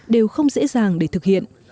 đều không dễ dàng để thực hiện